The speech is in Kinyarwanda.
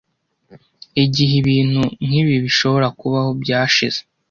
Igihe ibintu nkibi bishobora kubaho byashize.